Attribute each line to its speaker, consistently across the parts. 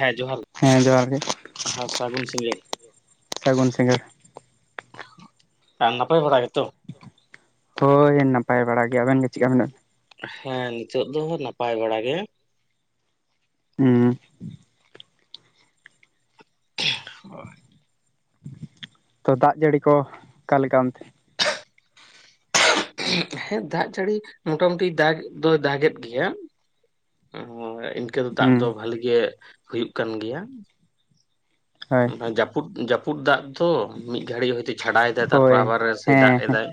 Speaker 1: ᱦᱮᱸ ᱡᱚᱦᱟᱨ
Speaker 2: ᱦᱮᱸ ᱡᱚᱦᱟᱨ ᱜᱮ
Speaker 1: ᱦᱮᱸ ᱥᱟᱹᱜᱩᱱ ᱥᱤᱸᱜᱟᱹᱲ᱾
Speaker 2: ᱥᱟᱹᱜᱩᱱ ᱥᱤᱸᱜᱟᱹᱲ
Speaker 1: ᱱᱟᱯᱟᱭ ᱵᱟᱲᱟ ᱜᱮ ᱛᱚ?
Speaker 2: ᱦᱳᱭ ᱱᱟᱯᱟᱭ ᱵᱟᱲᱟ ᱜᱮ, ᱟᱵᱮᱱ ᱜᱮ ᱪᱮᱫᱠᱟ ᱢᱮᱱᱟᱜ ᱵᱮᱱᱟ?
Speaker 1: ᱦᱮᱸ ᱱᱤᱛᱚᱜ ᱫᱚ ᱱᱟᱯᱟᱭ ᱵᱟᱲᱟ ᱜᱮ᱾
Speaker 2: ᱦᱮᱸ᱾
Speaker 1: ᱦᱳᱭ᱾
Speaker 2: ᱛᱚ ᱫᱟᱜ ᱡᱟᱹᱲᱤ ᱠᱚ ᱚᱠᱟᱞᱮᱠᱟ ᱚᱱᱛᱮ?
Speaker 1: ᱦᱮᱸ ᱫᱟᱜ ᱡᱟᱹᱲᱤ ᱢᱚᱴᱟ ᱢᱩᱩᱴᱤ ᱫᱟᱜ ᱫᱚᱭ ᱫᱟᱜ ᱜᱮᱫ ᱜᱮᱭᱟ᱾ ᱤᱱᱠᱟᱹ ᱫᱚ ᱫᱟᱜ ᱫᱚ
Speaker 2: ᱦᱩᱸ
Speaker 1: ᱵᱷᱟᱹᱞᱤ ᱜᱮ ᱦᱩᱭᱩᱜ ᱠᱟᱱ ᱜᱮᱭᱟ᱾
Speaker 2: ᱦᱳᱭ
Speaker 1: ᱡᱟᱹᱯᱩᱫ ᱡᱟᱹᱯᱩᱫ ᱫᱟᱜ ᱛᱚ ᱢᱤᱫ ᱜᱷᱲᱤᱡ ᱦᱚᱭᱛᱳ ᱪᱷᱟᱰᱟᱭᱫᱟᱭ ᱛᱟᱨᱯᱚᱨ
Speaker 2: ᱦᱳᱭ
Speaker 1: ᱟᱵᱟᱨ ᱥᱮᱭ ᱫᱟᱜ
Speaker 2: ᱦᱮᱸ ᱦᱮᱸ
Speaker 1: ᱮᱫᱟᱭ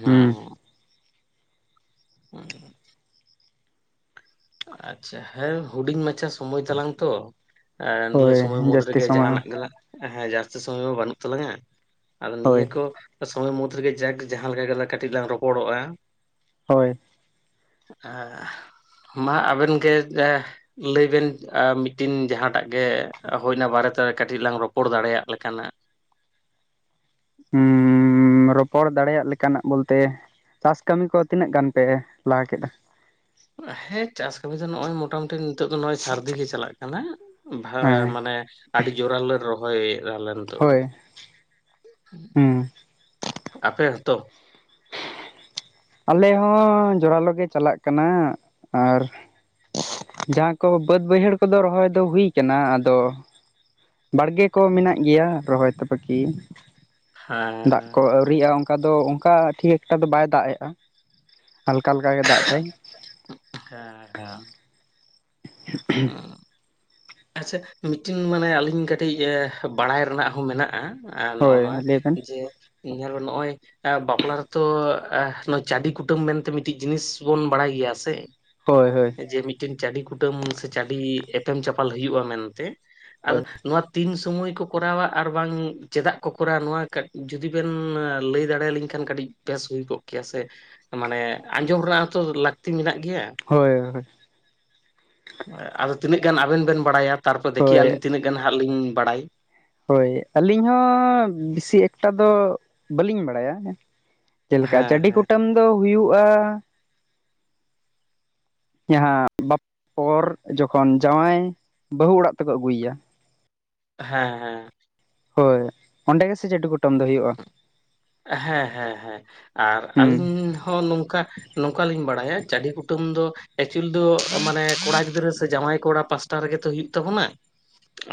Speaker 1: ᱦᱮᱸ᱾
Speaker 2: ᱦᱩᱸ
Speaker 1: ᱦᱩᱸ᱾ ᱟᱪᱪᱷᱟ ᱦᱮᱸ ᱦᱩᱰᱤᱧ ᱢᱟᱪᱷᱟ ᱥᱚᱢᱚᱭ ᱛᱟᱞᱟᱝ ᱛᱚ᱾ ᱱᱤᱭᱟᱹ
Speaker 2: ᱦᱳᱭ
Speaker 1: ᱥᱳᱚᱢᱚᱭ ᱢᱩᱫᱽ
Speaker 2: ᱡᱟᱹᱥᱛᱤ
Speaker 1: ᱨᱮᱜᱮ
Speaker 2: ᱥᱚᱢᱚᱭ
Speaker 1: ᱡᱟᱦᱟᱱᱟᱜ ᱜᱮᱞᱟᱝ ᱦᱮᱸ ᱡᱟᱹᱥᱛᱤ ᱥᱚᱢᱚᱭ ᱢᱟ ᱵᱟᱹᱱᱩᱜ ᱛᱟᱞᱟᱝᱟ ᱟᱫᱚ ᱱᱤᱭᱟᱹ
Speaker 2: ᱦᱳᱭ
Speaker 1: ᱠᱚ ᱥᱚᱢᱚᱭ ᱨᱮᱜᱮ ᱡᱟᱠ ᱡᱟᱦᱟᱸ ᱞᱮᱠᱟ ᱜᱮ ᱠᱟᱹᱴᱤᱡ ᱞᱟᱝ ᱨᱚᱯᱚᱲᱚᱜᱼᱟ᱾
Speaker 2: ᱦᱳᱭ᱾
Speaker 1: ᱢᱟ ᱟᱵᱮᱱ ᱜᱮ ᱞᱟᱹᱭ ᱵᱮᱱ ᱢᱤᱫᱴᱤᱱ ᱡᱟᱦᱟᱸᱴᱟᱜ ᱜᱮ ᱦᱩᱭᱚᱱᱟ ᱵᱟᱨᱮᱛᱮ ᱠᱟᱹᱴᱤᱡ ᱞᱟᱝ ᱨᱚᱯᱚᱲ ᱫᱟᱲᱮᱭᱟᱜ ᱞᱮᱠᱟᱱᱟᱜ᱾
Speaker 2: ᱦᱩᱻ ᱨᱚᱯᱚᱲ ᱫᱟᱲᱮᱭᱟᱜ ᱞᱮᱠᱟᱱᱟᱜ ᱵᱚᱞᱛᱮ ᱪᱟᱥ ᱠᱟᱹᱢᱤ ᱠᱚ ᱛᱤᱱᱟᱹᱜ ᱜᱟᱱ ᱯᱮ ᱞᱟᱦᱟ ᱠᱮᱫᱟ?
Speaker 1: ᱦᱮᱸ ᱪᱟᱥ ᱠᱟᱹᱢᱤ ᱫᱚ ᱱᱚᱜᱼᱚᱭ ᱢᱳᱴᱟᱢᱩᱴᱤ ᱱᱤᱛᱚᱜ ᱫᱚ ᱱᱚᱜᱼᱚᱭ ᱥᱟᱹᱨᱫᱤ ᱜᱮ ᱪᱟᱞᱟᱜ ᱠᱟᱱᱟ ᱵᱷᱟᱲ
Speaker 2: ᱦᱮᱸ
Speaker 1: ᱢᱟᱱᱮ ᱟᱹᱰᱤ ᱡᱳᱨᱟᱞᱳ ᱞᱮ ᱨᱚᱦᱚᱭᱮᱫ ᱟᱞᱮ ᱱᱤᱛᱚᱜ ᱫᱚ᱾
Speaker 2: ᱦᱳᱭ ᱦᱩᱸ
Speaker 1: ᱟᱯᱮ ᱦᱸᱛᱚ
Speaker 2: ᱟᱞᱮ ᱦᱚᱸ ᱡᱚᱨᱟᱞᱳ ᱜᱮ ᱪᱟᱞᱟᱜ ᱠᱟᱱᱟ ᱟᱨ ᱡᱟᱦᱟᱸ ᱠᱚ ᱵᱟᱹᱫᱽ ᱵᱟᱹᱭᱦᱟᱹᱲ ᱠᱚᱫᱚ ᱨᱚᱦᱚᱭ ᱫᱚ ᱦᱩᱭ ᱠᱟᱱᱟ ᱟᱫᱚ ᱵᱟᱲᱜᱮ ᱠᱚ ᱢᱮᱱᱟᱜ ᱜᱮᱭᱟ ᱨᱚᱦᱚᱭ ᱛᱮ ᱵᱟᱠᱤ
Speaker 1: ᱦᱮᱸ
Speaker 2: ᱫᱟᱜ
Speaker 1: ᱦᱮᱸ
Speaker 2: ᱠᱚ ᱟᱹᱣᱨᱤᱜᱼᱟ ᱚᱱᱠᱟ᱾ ᱚᱱᱠᱟ ᱫᱚ ᱚᱱᱠᱟ ᱴᱷᱤᱠ ᱮᱠᱴᱟ ᱫᱚ ᱵᱟᱭ ᱫᱟᱜ ᱮᱫᱟ ᱦᱟᱞᱠᱟ ᱦᱟᱞᱠᱟ ᱜᱮ ᱫᱟᱜ ᱫᱟᱭ᱾
Speaker 1: ᱦᱮᱸ ᱦᱮᱸ᱾
Speaker 2: [unintelligible]
Speaker 1: ᱟᱪᱪᱟ ᱢᱤᱫᱴᱤᱱ ᱢᱟᱱᱮ ᱟᱹᱞᱤᱧ ᱠᱟᱹᱴᱤᱡ ᱵᱟᱲᱟᱭ ᱨᱮᱱᱟᱜ ᱦᱚᱸ ᱢᱮᱱᱟᱜᱼᱟ᱾ ᱟ ᱱᱚᱜ
Speaker 2: ᱦᱳᱭ
Speaker 1: ᱱᱚᱣᱟ
Speaker 2: ᱞᱟᱹᱭ ᱵᱮᱱ
Speaker 1: ᱡᱮ ᱧᱮᱞ ᱵᱮᱱ ᱱᱚᱜᱼᱚᱭ ᱵᱟᱯᱞᱟ ᱨᱮᱛᱚ ᱪᱟᱹᱰᱤ ᱠᱩᱴᱟᱹᱢ ᱢᱮᱱᱛᱮ ᱢᱤᱫᱴᱤᱡ ᱡᱤᱱᱤᱥ ᱵᱚᱱ ᱵᱟᱲᱟᱭ ᱜᱮᱭᱟ ᱥᱮ᱾
Speaker 2: ᱦᱳᱭ ᱦᱳᱭ᱾
Speaker 1: ᱡᱮ ᱢᱤᱫᱴᱮᱱ ᱪᱟᱹᱰᱤ ᱠᱩᱴᱟᱹᱢ ᱥᱮ ᱪᱟᱹᱰᱤ ᱮᱯᱮᱢ ᱪᱟᱯᱟᱞ ᱦᱩᱭᱩᱜᱼᱟ ᱢᱮᱱᱛᱮ᱾ ᱟᱫᱚ
Speaker 2: ᱦᱳᱭ
Speaker 1: ᱱᱚᱣᱟ ᱛᱤᱱ ᱥᱚᱢᱚᱭ ᱠᱚ ᱠᱚᱨᱟᱣᱟ ᱟᱨ ᱵᱟᱝ ᱪᱮᱫᱟᱜ ᱠᱚ ᱠᱚᱨᱟᱣᱟ ᱱᱚᱣᱟ ᱠᱟᱹᱴᱤᱡ ᱡᱩᱫᱤ ᱵᱮᱱ ᱞᱟᱹᱭ ᱫᱟᱲᱮᱭᱟᱞᱤᱧ ᱠᱷᱟᱱ ᱠᱟᱹᱴᱤᱡ ᱵᱮᱥ ᱦᱩᱭ ᱠᱚᱜ᱾ ᱠᱮᱥᱮ ᱢᱟᱱᱮ ᱟᱸᱡᱚᱢ ᱨᱮᱱᱟᱜ ᱦᱚᱸ ᱛᱚ ᱞᱟᱹᱠᱛᱤ ᱢᱮᱱᱟᱜ ᱜᱮᱭᱟ᱾
Speaker 2: ᱦᱳᱭ ᱦᱳᱭ᱾
Speaker 1: ᱟᱫᱚ ᱛᱤᱱᱟᱹᱜ ᱜᱟᱱ ᱟᱵᱮᱱ ᱵᱮᱱ ᱵᱟᱲᱟᱭᱟ, ᱛᱟᱨᱯᱚᱨᱮ ᱫᱮᱠᱷᱮᱜ
Speaker 2: ᱦᱳᱭ
Speaker 1: ᱟᱹᱞᱤᱧ ᱛᱤᱱᱟᱹᱜ ᱜᱟᱱ ᱦᱟᱸᱜ ᱞᱤᱧ ᱵᱟᱲᱟᱭ᱾
Speaker 2: ᱦᱳᱭ ᱟᱹᱞᱤᱧ ᱦᱚᱸ ᱵᱮᱥᱤ ᱮᱠᱴᱟ ᱫᱚ ᱵᱟᱹᱞᱤᱧ ᱵᱟᱲᱟᱭᱟ᱾ ᱪᱮᱫᱮ ᱞᱮᱠᱟ ᱪᱟᱹᱰᱤ
Speaker 1: ᱦᱮᱸ
Speaker 2: ᱠᱩᱴᱟᱹᱢ ᱫᱚ ᱦᱩᱭᱩᱜᱼᱟ ᱡᱟᱦᱟᱸ ᱵᱟᱯ ᱯᱚᱨ ᱡᱚᱠᱷᱚᱱ ᱡᱟᱶᱟᱭ ᱵᱟᱹᱦᱩ ᱚᱲᱟᱜ ᱛᱮᱠᱚ ᱟᱹᱜᱩᱭᱮᱭᱟ᱾
Speaker 1: ᱦᱮᱸ ᱦᱮᱸ᱾
Speaker 2: ᱦᱳᱭ ᱚᱸᱰᱮ ᱜᱮᱥᱮ ᱪᱟᱹᱰᱤ ᱠᱩᱴᱟᱹᱢ ᱫᱚ ᱦᱩᱭᱩᱜᱼᱟ?
Speaker 1: ᱦᱮᱸ ᱦᱮᱸ ᱦᱮᱸ ᱟᱨ
Speaker 2: ᱦᱩᱸ
Speaker 1: ᱟᱹᱞᱤᱧ ᱦᱚᱸ ᱱᱚᱝᱠᱟ ᱱᱚᱝᱠᱟ ᱞᱤᱧ ᱵᱟᱲᱟᱭᱟ ᱪᱟᱹᱰᱤ ᱠᱩᱴᱟᱹᱢ ᱫᱚ ᱮᱠᱪᱩᱞ ᱫᱚ ᱢᱟᱱᱮ ᱠᱚᱲᱟ ᱜᱤᱫᱽᱨᱟᱹ ᱥᱮ ᱡᱟᱶᱟᱭ ᱠᱚᱲᱟ ᱯᱟᱥᱟᱴᱟ ᱨᱮᱜᱮ ᱛᱚ ᱦᱳᱭᱳᱜ ᱛᱟᱵᱚᱱᱟ᱾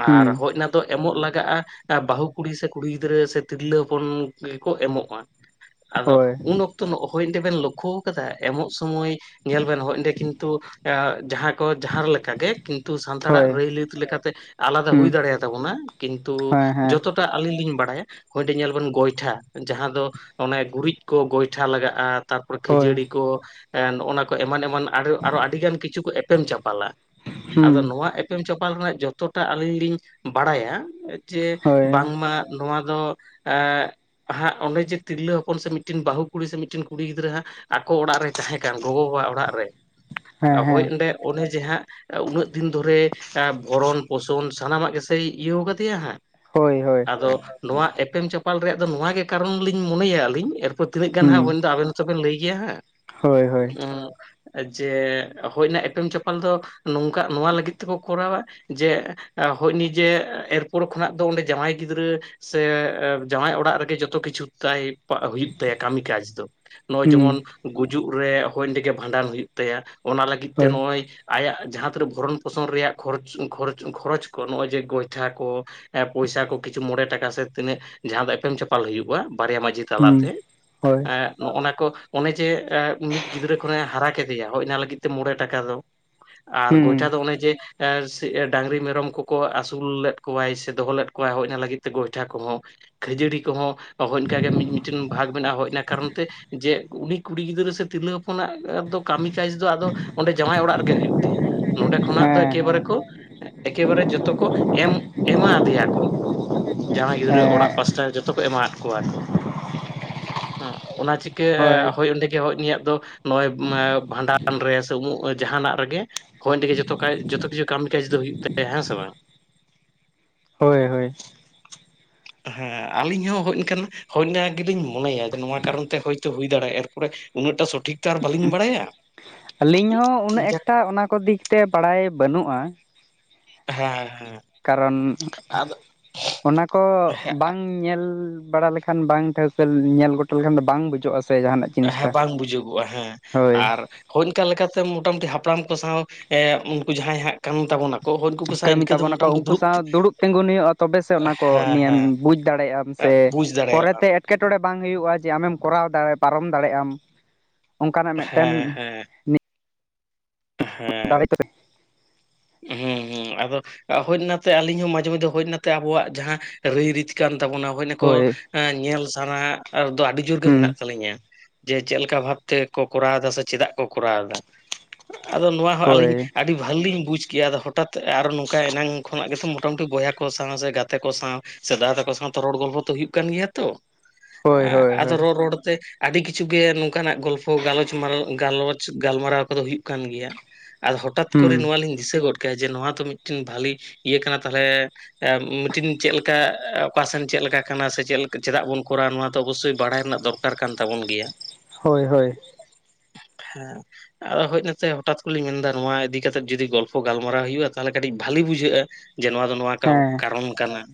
Speaker 2: ᱦᱩᱸ
Speaker 1: ᱟᱨ ᱦᱚᱭ ᱚᱱᱟ ᱫᱚ ᱮᱢᱚᱜ ᱞᱟᱜᱟᱜᱼᱟ ᱵᱟᱹᱦᱩ ᱠᱩᱲᱤ ᱥᱮ ᱛᱤᱨᱞᱟᱹ ᱦᱚᱯᱚᱱ ᱠᱚ ᱮᱢᱚᱜᱼᱟ ᱟᱫᱚ
Speaker 2: ᱦᱳᱭ
Speaker 1: ᱩᱱ ᱚᱠᱛᱚ ᱦᱚᱭ ᱚᱸᱰᱮ ᱵᱮᱱ ᱞᱚᱠᱠᱷᱚ ᱟᱠᱟᱫᱟ ᱮᱢᱚᱜ ᱥᱳᱢᱳᱭ ᱧᱮᱞ ᱵᱮᱱ ᱦᱚᱜ ᱚᱸᱰᱮ ᱠᱤᱱᱛᱩ ᱡᱟᱦᱟᱸ ᱠᱚ ᱡᱟᱦᱟᱸ ᱞᱮᱠᱟᱜᱮ ᱠᱤᱱᱛᱩ ᱥᱟᱱᱛᱟᱲᱟᱜ
Speaker 2: ᱦᱳᱭ
Speaker 1: ᱨᱟᱹᱭᱞᱤᱛ ᱞᱮᱠᱟᱛᱮ ᱟᱞᱟᱫᱟ
Speaker 2: ᱦᱩᱸ
Speaker 1: ᱦᱩᱭ ᱫᱟᱲᱮ ᱟᱛᱟᱵᱚᱱᱟ ᱠᱤᱱᱛᱩ
Speaker 2: ᱦᱮᱸ ᱦᱮᱸ
Speaker 1: ᱡᱚᱛᱚ ᱟᱹᱞᱤᱧ ᱞᱤᱧ ᱵᱟᱲᱟᱭᱟ ᱦᱚᱭ ᱚᱸᱰᱮ ᱧᱮᱞ ᱵᱮᱱ ᱜᱚᱭᱴᱷᱟ ᱡᱟᱦᱟᱸ ᱫᱚ ᱚᱱᱮ ᱜᱩᱨᱤᱡ ᱠᱚ ᱜᱚᱭᱴᱷᱟ ᱞᱟᱜᱟᱜᱼᱟ ᱛᱟᱨᱯᱚᱨ
Speaker 2: ᱦᱳᱭ
Speaker 1: ᱠᱷᱟᱹᱡᱟᱹᱲᱤ ᱱᱚᱜᱼᱱᱟ ᱠᱚ ᱮᱢᱟᱱ ᱮᱢᱟᱱ ᱟᱨ ᱟᱨᱚ ᱟᱹᱰᱤᱜᱟᱱ ᱠᱤᱪᱷᱩ ᱠᱚ ᱮᱯᱮᱢ ᱪᱟᱯᱟᱞᱟ,
Speaker 2: ᱦᱩᱸ
Speaker 1: ᱟᱫᱚ ᱱᱚᱣᱟ ᱮ ᱮᱯᱮᱢ ᱪᱟᱯᱟᱞ ᱨᱮᱱᱟᱜ ᱡᱚᱛᱚᱴᱟ ᱟᱞᱤᱧ ᱞᱤᱧ ᱵᱟᱲᱟᱭᱟ᱾ ᱡᱮ
Speaker 2: ᱦᱳᱭ
Speaker 1: ᱵᱟᱝᱢᱟ ᱱᱚᱭᱟ ᱫᱚ ᱮ ᱦᱟᱸᱜ ᱚᱸᱰᱮ ᱡᱮ ᱛᱤᱨᱞᱟᱹ ᱦᱚᱯᱚᱱ ᱥᱮ ᱢᱤᱫᱴᱤᱱ ᱵᱟᱹᱦᱩ ᱠᱩᱲᱤ ᱥᱮ ᱢᱤᱫᱴᱤᱱ ᱠᱩᱲᱤ ᱜᱤᱫᱽᱨᱟᱹ ᱦᱟᱸᱜ ᱟᱠᱚ ᱚᱲᱟᱜ ᱨᱮᱭ ᱛᱟᱦᱮᱸ ᱠᱟᱱ ᱜᱚᱜᱚ ᱵᱟᱵᱟ ᱚᱲᱟᱜ ᱨᱮ
Speaker 2: ᱦᱮᱸ ᱦᱮᱸ
Speaker 1: ᱦᱳᱭ ᱚᱸᱰᱮ ᱚᱱᱮ ᱡᱮ ᱦᱟᱸᱜ ᱩᱱᱟᱹᱜ ᱫᱤᱱ ᱫᱷᱚᱨᱮ ᱵᱷᱚᱨᱚᱱ ᱯᱳᱥᱚᱱ ᱥᱟᱱᱟᱢᱟᱜ ᱜᱮᱥᱮᱭ ᱤᱭᱟᱹᱣ ᱠᱟᱫᱮᱭᱟ ᱦᱟᱸᱜ
Speaker 2: ᱦᱳᱭ ᱦᱳᱭ᱾
Speaker 1: ᱟᱫᱚ ᱱᱚᱣᱟ ᱮᱯᱮᱢ ᱪᱟᱯᱟᱞ ᱨᱮᱭᱟᱜ ᱫᱚ ᱱᱚᱣᱟ ᱜᱮ ᱠᱟᱨᱚᱱ ᱞᱤᱧ ᱢᱚᱱᱮᱭᱟ ᱟᱹᱞᱤᱧ ᱮᱨᱯᱚᱨ ᱛᱤᱱᱟᱹᱜ ᱜᱟᱱ
Speaker 2: ᱦᱩᱸ
Speaker 1: ᱦᱟᱸᱜ ᱦᱳᱭᱱᱟ ᱟᱵᱮᱱ ᱛᱚ ᱵᱮᱱ ᱞᱟᱹᱭ ᱜᱮᱭᱟ ᱦᱟᱸᱜ
Speaker 2: ᱦᱳᱭ ᱦᱳᱭ
Speaker 1: ᱩᱸ ᱡᱮ ᱦᱳᱭᱱᱟ ᱮᱯᱮᱢ ᱪᱟᱯᱟᱞ ᱫᱚ ᱱᱚᱝᱠᱟ ᱱᱚᱣᱟ ᱞᱟᱹᱜᱤᱫ ᱛᱮᱠᱚ ᱠᱚᱨᱟᱣᱟ ᱡᱮ ᱦᱳᱭᱱᱤ ᱡᱮ ᱮᱨᱯᱳᱨ ᱠᱷᱚᱱᱟᱜ ᱫᱚ ᱚᱸᱰᱮ ᱡᱟᱶᱟᱭ ᱜᱤᱫᱽᱨᱟᱹ ᱥᱮ ᱡᱟᱶᱟᱭ ᱚᱲ ᱲᱟᱜ ᱨᱮᱜᱮ ᱡᱚᱛᱚ ᱠᱤᱪᱷᱩ ᱛᱟᱭ ᱦᱩᱭᱩᱜ ᱛᱟᱭᱟ ᱠᱟᱹᱢᱤ ᱠᱟᱡᱽ ᱫᱚ ᱱᱚᱜᱼᱚᱭ ᱡᱮᱢᱚᱱ
Speaker 2: ᱦᱩᱸ
Speaker 1: ᱜᱩᱡᱩᱜ ᱨᱮ ᱦᱚᱭ ᱚᱸᱰᱮᱜᱮ ᱵᱷᱟᱸᱰᱟᱱ ᱦᱳᱭᱳᱜ ᱛᱟᱭᱟ ᱚᱱᱟ ᱞᱟᱹᱜᱤᱫ ᱛᱮ
Speaker 2: ᱦᱳᱭ
Speaker 1: ᱱᱚᱜᱼᱚᱭ ᱟᱭᱟᱜ ᱡᱟᱦᱟᱸ ᱛᱤᱱᱟᱹᱜ ᱵᱷᱚᱨᱚᱱ ᱯᱥᱚᱱ ᱨᱮᱭᱟᱜ ᱠᱷᱚᱨᱚᱪ-ᱠᱷᱚᱨᱚᱪ ᱠᱷᱚᱨᱚᱪ ᱠᱚ ᱱᱚᱜᱼᱚᱭ ᱡᱮ ᱜᱚᱭᱴᱷᱟ ᱠᱚ᱾ ᱯᱚᱭᱥᱟ ᱠᱚ ᱠᱤᱪᱷᱩ ᱢᱚᱲ ᱴᱟᱠᱟ ᱥᱮ ᱛᱤᱱᱟᱹᱜ ᱡᱟᱦᱟᱸ ᱫᱚ ᱮᱢ ᱪᱟᱯᱟᱞ ᱦᱩᱭᱩᱜᱼᱟ ᱵᱟᱨᱭᱟ ᱢᱟᱺᱡᱷᱤ ᱛᱟᱞᱟᱛᱮ
Speaker 2: ᱦᱩᱸ ᱦᱳᱭ
Speaker 1: ᱮᱸᱜ ᱱᱚᱜᱱᱟ ᱠᱚ ᱚᱱᱮ ᱡᱮ ᱮᱸ ᱢᱤᱫ ᱜᱤᱫᱽᱨᱟᱹ ᱠᱷᱚᱱᱮ ᱦᱟᱨᱟ ᱠᱮᱫᱮᱭᱟ ᱦᱚᱡᱱᱟ ᱞᱟᱹᱜᱤᱫ ᱛᱮ ᱢᱚᱬᱮ ᱴᱟᱠᱟ ᱫᱚ ᱾
Speaker 2: [unintelligible]
Speaker 1: ᱟᱨ ᱜᱚᱭᱴᱷᱟ ᱫᱚ ᱚᱱᱮ ᱡᱮ ᱮᱥ ᱥᱤ ᱮᱸ ᱰᱟᱝᱨᱤ ᱢᱮᱨᱚᱢ ᱠᱚᱠᱚ ᱟᱹᱥᱩᱞ ᱞᱮᱫ ᱠᱚᱣᱟᱭ ᱥᱮ ᱫᱚᱦᱚ ᱞᱮᱫ ᱠᱚᱣᱟᱭ ᱦᱚᱡᱱᱟ ᱞᱟᱹᱜᱤᱫ ᱛᱮ ᱜᱚᱭᱴᱷᱟ ᱠᱚᱦᱚᱸ᱾ ᱠᱷᱟᱹᱡᱟᱹᱲᱤ ᱠᱚᱦᱚᱸ ᱦᱚᱱᱠᱟ ᱜᱮ ᱢᱤᱼᱢᱤᱴᱮᱱ ᱵᱷᱟᱜᱽ ᱢᱮᱱᱟᱜᱼᱟ, ᱦᱚᱡᱱᱟ ᱠᱟᱨᱚᱱ ᱛᱮ ᱡᱮ ᱩᱱᱤ ᱠᱩᱲᱤ ᱜᱤᱫᱽᱨᱟᱹ ᱥᱮ ᱛᱤᱨᱞᱟᱹ ᱦᱚᱯ ᱠᱚᱱᱟᱜ ᱫᱚᱯ ᱠᱟᱹᱢᱤ ᱪᱟᱭᱮᱥ ᱫᱚ ᱟᱫᱚ ᱚᱸᱰᱮ ᱡᱟᱶᱟᱭ ᱚᱲᱟᱜ ᱨᱮᱜᱮ ᱦᱩᱭᱩᱜ ᱛᱟᱭᱟ ᱱᱚᱸᱰᱮ ᱠᱷᱚᱱᱟᱜ ᱫᱚ
Speaker 2: ᱦᱮᱸ
Speaker 1: ᱮᱠᱮᱵᱟᱨᱮ
Speaker 2: ᱦᱮᱸ
Speaker 1: ᱠᱚ ᱮᱠᱮᱵᱟᱨᱮ ᱡᱚᱛᱚ ᱠᱚ ᱮᱢ ᱮᱢᱟ ᱫᱮᱭᱟ ᱠᱚ ᱡᱟᱦᱟᱸᱭ ᱜᱤᱫᱽᱨᱟᱹ ᱚᱲᱟᱜ
Speaker 2: ᱦᱮᱸ
Speaker 1: ᱯᱟᱥᱴᱟ ᱡᱚᱛᱚ ᱠᱚ ᱮᱢᱟᱫ ᱠᱚᱣᱟ ᱠᱚ ᱾ ᱦᱩᱜ ᱚᱱᱟ ᱪᱤᱠᱟᱹ ᱦᱳᱭ ᱚᱸᱰᱮ ᱜᱮ ᱦᱚᱜ ᱱᱤᱭᱟᱜ ᱫᱚ ᱱᱚᱜᱼᱚᱭ ᱵᱷᱟᱸᱰᱟᱱ ᱥᱮ ᱩᱢᱩᱜ ᱡᱟᱦᱟᱱᱟᱜ ᱨᱮᱜᱮ ᱦᱳᱭ ᱚᱸᱰᱮ ᱜᱮ ᱡᱚᱛᱚ ᱠᱟᱭ ᱡᱚᱛᱚ ᱠᱤᱪᱷᱩ ᱠᱟᱹᱢᱤ ᱠᱟᱹᱡ ᱫᱚ ᱦᱩᱭᱩᱜ ᱛᱟᱭᱟ ᱦᱮᱸ ᱥᱮ ᱵᱟᱝ?
Speaker 2: ᱦᱳᱭ ᱦᱳᱭ ᱾
Speaker 1: ᱦᱮᱸ ᱟᱹᱞᱤᱧ ᱦᱚᱸ ᱦᱚᱜ ᱤᱧ ᱠᱟᱱ ᱦᱚᱱᱱᱟ ᱜᱮᱞᱤᱧ ᱢᱚᱱᱮᱭᱟ ᱡᱮ ᱱᱚᱣᱟ ᱠᱟᱨᱚᱱ ᱛᱮ ᱦᱳᱭᱛᱳ ᱦᱩᱭ ᱫᱟᱲᱮᱭᱟᱜᱼᱟ ᱮᱨᱯᱚᱨᱮ ᱩᱱᱟᱹᱜᱴᱟ ᱥᱚᱴᱷᱤᱠ ᱛᱚ ᱟᱨ ᱵᱟᱹᱞᱤᱧ ᱵᱟᱲᱟᱭᱟ ᱾
Speaker 2: ᱟᱹᱞᱤᱧ ᱦᱚᱸ ᱩᱱᱟᱹᱜ ᱮᱠᱴᱟ ᱚᱱᱟ ᱠᱚ ᱫᱤᱠ ᱛᱮ ᱵᱟᱲᱟᱭ ᱵᱟᱹᱱᱩᱜᱼᱟ᱾
Speaker 1: ᱦᱮᱸ ᱦᱮᱸ ᱾
Speaker 2: ᱠᱟᱨᱚᱱ ᱚᱱᱟ ᱠᱚ
Speaker 1: ᱦᱮᱸ
Speaker 2: ᱵᱟᱝ ᱧᱮᱞ ᱵᱟᱲᱟ ᱞᱮᱠᱷᱟᱱ ᱵᱟᱝ ᱴᱷᱟᱣᱠᱟᱹ ᱧᱮᱞ ᱜᱚᱴᱚ ᱞᱮᱠᱷᱟᱱ ᱫᱚ ᱵᱟᱝ ᱵᱩᱡᱩᱜᱼᱟ ᱥᱮ ᱡᱟᱦᱟᱱᱟᱜ
Speaker 1: ᱦᱮᱸ
Speaker 2: ᱡᱤᱱᱤᱥᱴᱟ
Speaker 1: ᱵᱟᱝ ᱵᱩᱡᱟᱹᱜᱚᱜᱼᱟ, ᱦᱮᱸ
Speaker 2: ᱦᱳᱭ
Speaker 1: ᱟᱨ ᱦᱚᱱᱠᱟ ᱞᱮᱠᱟᱛᱮ ᱢᱚᱴᱟᱢᱩᱴᱤ ᱦᱟᱯᱲᱟᱢ ᱠᱚ ᱥᱟᱶ ᱮᱸ ᱩᱱᱠᱩ ᱡᱟᱦᱟᱸᱭ ᱦᱟᱸᱜ ᱠᱟᱱ ᱛᱟᱵᱚᱱᱟ, ᱠᱚ ᱦᱩᱱᱠᱩ ᱥᱟᱶ
Speaker 2: ᱠᱟᱹᱢᱤ
Speaker 1: ᱤᱱᱠᱟᱹ ᱫᱚ
Speaker 2: ᱛᱟᱵᱚᱱᱟᱠᱚ
Speaker 1: ᱢᱳᱴᱟᱢᱩᱴᱤ, [unintelligible]
Speaker 2: ᱩᱱᱠᱩ
Speaker 1: ᱫᱩᱨᱩᱵ
Speaker 2: ᱥᱟᱶ ᱫᱩᱲᱩᱵ ᱛᱤᱸᱜᱩᱱ ᱦᱩᱭᱩᱜᱼᱟ ᱛᱚᱵᱮ ᱥᱮ ᱚᱱᱟ ᱠᱚ
Speaker 1: ᱦᱮᱸ ᱦᱮᱸ
Speaker 2: ᱱᱤᱭᱟᱹᱢ
Speaker 1: ᱾ ᱮᱜ ᱵᱩᱡ ᱫᱟᱲᱮᱭᱟᱜᱼᱟᱢ ᱾
Speaker 2: ᱠᱮᱴᱚᱬᱮ ᱵᱟᱝ ᱦᱩᱭᱩᱜᱼᱟ ᱡᱮ ᱟᱢᱮᱢ ᱠᱚᱨᱟᱣ ᱫᱟ ᱯᱟᱨᱚᱢ ᱫᱟᱲᱮᱭᱟᱜ ᱟᱢ, ᱚᱱᱠᱟᱱᱟᱜ ᱢᱤᱫᱴᱮᱱ
Speaker 1: ᱦᱮᱸ ᱦᱮᱸ ᱦᱮᱸ,
Speaker 2: ᱫᱟᱲᱮ
Speaker 1: [inaudible]
Speaker 2: [inaudible]
Speaker 1: ᱦᱩᱸ ᱦᱩᱸ ᱟᱫᱚ ᱾ ᱦᱳᱱ ᱱᱟᱛᱮ ᱟᱹᱞᱤᱧ ᱦᱚᱸ ᱢᱟᱡᱷᱮ ᱢᱚᱫᱷᱮ ᱦᱳᱱ ᱱᱟᱛᱮ ᱟᱵᱚᱣᱟᱜ ᱡᱟᱦᱟᱸ ᱨᱟᱹᱭ ᱨᱤᱛ ᱠᱟᱱ ᱛᱟᱵᱚᱱᱟ ᱾ ᱚᱱᱟᱠᱚ
Speaker 2: ᱦᱳᱭ
Speaker 1: ᱮᱸ ᱧᱮᱞ ᱥᱟᱱᱟ ᱟᱨ ᱫᱚ ᱟᱹᱰᱤ ᱡᱳᱨ ᱜᱮ
Speaker 2: ᱦᱩᱸ
Speaker 1: ᱢᱮᱱᱟᱜ ᱛᱟᱹᱞᱤᱧᱟ ᱾ ᱡᱮ ᱪᱮᱜ ᱞᱮᱠᱟ ᱵᱷᱟᱵᱛᱮ ᱠᱚ ᱠᱚᱨᱟᱣ ᱫᱟ ᱥᱮ ᱪᱮᱫᱟᱜ ᱠᱚ ᱠᱚᱨᱟᱣ ᱫᱟ ᱾ ᱟᱫᱚ ᱱᱚᱣᱟ ᱦᱚᱸ ᱟᱹᱞᱤᱧ
Speaker 2: ᱦᱳᱭ
Speaker 1: ᱟᱹᱰᱤ ᱵᱷᱟᱞᱤᱧ ᱵᱩᱡᱽ ᱠᱤᱭᱟ ᱫᱚ ᱦᱚᱴᱟᱛ ᱟᱨᱚ ᱱᱚᱝᱠᱟ ᱮᱱᱟᱝ ᱠᱷᱚᱱᱟᱜ ᱜᱮᱛᱚ ᱢᱚᱴᱟᱢᱩᱴᱤ ᱵᱚᱭᱦᱟ ᱠᱚ ᱥᱟᱶ, ᱥᱮ ᱜᱟᱛᱮ ᱠᱚ ᱥᱟᱶ, ᱥᱮ ᱫᱟᱫᱟ ᱛᱟᱠᱚ ᱥᱟᱶ ᱛᱚ ᱨᱚᱲ ᱜᱚᱞᱯᱚ ᱛᱚ ᱦᱩᱭᱩᱜ ᱠᱟᱱ ᱜᱮᱭᱟ ᱛᱚ,
Speaker 2: ᱦᱳᱭ ᱦᱳᱭ
Speaker 1: ᱮᱸ
Speaker 2: ᱦᱳᱭ
Speaker 1: ᱨᱚᱲ ᱨᱚᱲᱛᱮ ᱟᱹᱰᱤ ᱠᱤᱪᱷᱩ ᱜᱮ ᱱᱚᱝᱠᱟᱱᱟᱜ ᱜᱚᱞᱯᱚ ᱜᱟᱞᱚᱪ ᱢᱟᱞ ᱜᱟᱞᱚᱪ ᱜᱟᱞᱢᱟᱨᱟᱣ ᱠᱚᱫᱚ ᱦᱩᱭᱩᱜ, ᱠᱟᱱᱟ ᱠᱟᱱ ᱜᱮᱭᱟ, ᱟᱨ ᱦᱚᱴᱟᱛ ᱠᱚᱨᱮ
Speaker 2: ᱦᱩᱸ
Speaker 1: ᱱᱚᱣᱟ ᱞᱤᱧ ᱫᱤᱥᱟᱹ ᱜᱚᱫ ᱠᱮᱭᱟ ᱡᱮ ᱱᱚᱣᱟ ᱫᱚ ᱢᱤᱫᱴᱮᱱ ᱵᱷᱟᱞᱤ ᱤᱭᱟᱹ ᱠᱟᱱᱟ ᱛᱟᱞᱦᱮ, ᱮᱸ ᱢᱤᱫᱴᱤᱱ ᱪᱮᱞᱠᱟ ᱚᱠᱟ ᱥᱮᱱ ᱪᱮᱜ ᱞᱮᱠᱟ ᱠᱟᱱᱟ ᱥᱮ ᱪᱮᱞ ᱪᱮᱫᱟᱜ ᱵᱚᱱ ᱠᱚᱨᱟᱣ ᱱᱚᱣᱟ ᱫᱚ ᱚᱵᱚᱥᱥᱳᱭ ᱵᱟᱲᱟᱭ ᱨᱮᱱᱟᱜ ᱫᱚᱨ, ᱠᱟᱨ ᱠᱟᱱ ᱛᱟᱵᱚᱱ ᱜᱮᱭᱟ ᱾
Speaker 2: ᱦᱳᱭ ᱦᱳᱭ,
Speaker 1: [unintelligible] ᱦᱮᱸ ᱟᱫᱚ ᱦᱳᱡᱱᱟ ᱾ ᱥᱮ ᱦᱚᱴᱟᱛ ᱠᱚᱞᱤᱧ ᱢᱮᱱ ᱫᱟ ᱱᱚᱣᱟ ᱤᱫᱤ ᱠᱟᱛᱮᱫ ᱡᱩᱫᱤ ᱜᱚᱞᱯᱚ ᱜᱟᱞᱢᱟᱨᱟᱣ ᱦᱩᱭᱩᱜᱼᱟ ᱛᱟᱞᱦᱮ ᱠᱟᱹᱴᱤᱡ ᱵᱷᱟᱞᱤ ᱵᱩᱡᱷᱟᱹᱜᱼᱟ ᱾ ᱡᱮ ᱱᱚᱣᱟ ᱫᱚ ᱱᱚᱣᱟ ᱠᱟᱣ
Speaker 2: ᱦᱮᱸ
Speaker 1: ᱠᱟᱨᱚᱱ ᱠᱟᱱᱟ ᱾